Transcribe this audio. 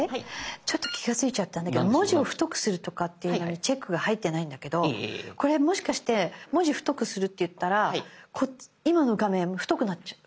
ちょっと気が付いちゃったんだけど「文字を太くする」にチェックが入ってないんだけどこれもしかして文字太くするっていったら今の画面太くなっちゃう？